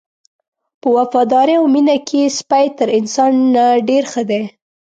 په وفادارۍ او مینه کې سپی تر انسان نه ډېر ښه دی.